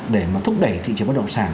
để thúc đẩy thị trường bất động sản